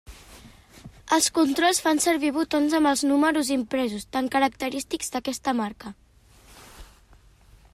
Els controls fan servir botons amb els números impresos, tan característics d'aquesta marca.